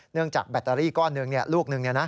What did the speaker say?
จากแบตเตอรี่ก้อนหนึ่งลูกหนึ่ง